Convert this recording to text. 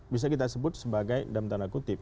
bisa kita sebut sebagai dalam tanda kutip